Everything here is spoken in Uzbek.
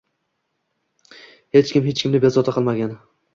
Hech kim hech kimni bezovta qilmagan